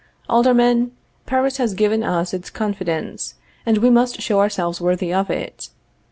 Aldermen, Paris has given us its confidence, and we must show ourselves worthy of it.